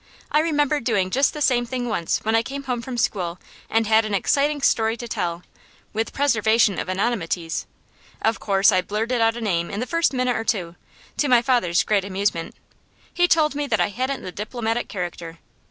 I remember doing just the same thing once when I came home from school and had an exciting story to tell, with preservation of anonymities. Of course I blurted out a name in the first minute or two, to my father's great amusement. He told me that I hadn't the diplomatic character.